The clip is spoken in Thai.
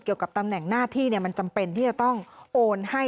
เกี่ยวกับตำแหน่งหน้าที่มันจำเป็นที่จะต้องโอนให้